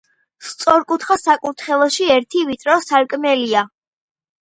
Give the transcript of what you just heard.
სწორკუთხა საკურთხეველში ერთი ვიწრო სარკმელია.